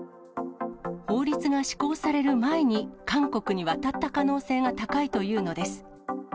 法律が施行される前に韓国に渡った可能性が高いというのです。